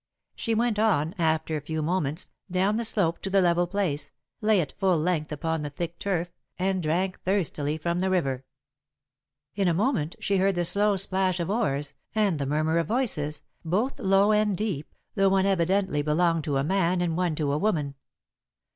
She went on, after a few moments, down the slope to the level place, lay at full length upon the thick turf, and drank thirstily from the river. In a moment, she heard the slow splash of oars, and the murmur of voices, both low and deep, though one evidently belonged to a man and one to a woman.